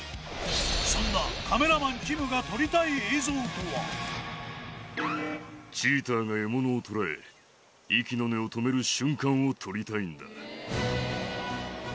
そんなカメラマンキムがチーターが獲物をとらえ息の根を止める瞬間を撮りたいんだ